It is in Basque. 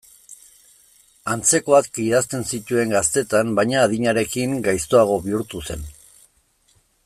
Antzekoak idazten zituen gaztetan baina adinarekin gaiztoago bihurtu zen.